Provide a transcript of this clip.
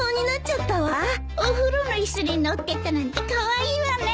お風呂の椅子に乗ってたなんてカワイイわね。